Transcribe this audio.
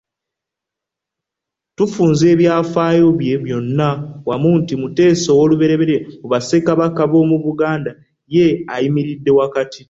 Tufunza ebyafaayo bye byonna wamu nti Mutesa I mu Bassekabaka b'omu Buganda y'ayimiridde wakati.